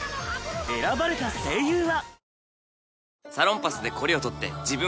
選ばれた声優は？